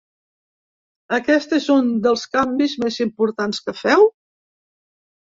Aquest és un dels canvis més importants que feu?